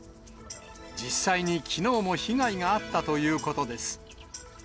実際にきのうも被害があったということです。